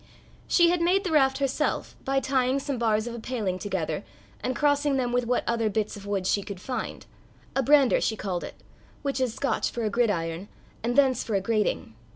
She had made the raft herself, by tying some bars of a paling together, and crossing them with what other bits of wood she could find a bran'er she called it, which is Scotch for a gridiron, and thence for a grating.